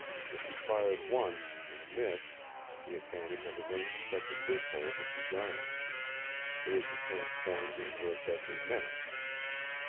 If he fired once and missed the advantage of his unsuspected loophole would be gone. It would be transformed into a deadly menace.